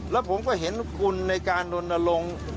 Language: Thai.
แล้วผมก็เห็นคุณในการดนลง